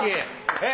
え？